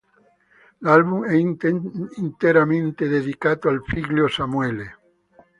L'album è interamente dedicato al figlio Samuele.